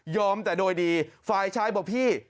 แต่โดยดีฝ่ายชายบอกพี่